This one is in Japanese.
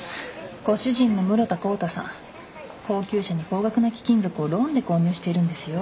ご主人の室田晃汰さん高級車に高額な貴金属をローンで購入しているんですよ。